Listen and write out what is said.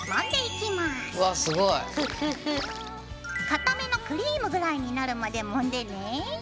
硬めのクリームぐらいになるまでもんでね。